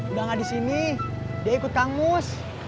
udah nggak di sini dia ikut tangmus